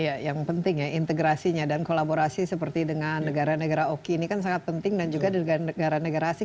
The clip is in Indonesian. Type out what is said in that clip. iya yang penting ya integrasinya dan kolaborasi seperti dengan negara negara oki ini kan sangat penting dan juga di negara negara asing